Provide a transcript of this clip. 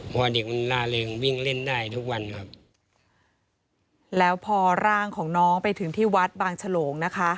เพราะว่าเด็กมันล่าเริงวิ่งเล่นได้ทุกวันครับแล้วพอร่างของน้องไปถึงที่วัดบางฉลงนะคะ